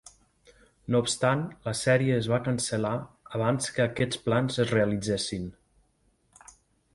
No obstant, la sèrie es va cancel·lar abans que aquests plans es realitzessin.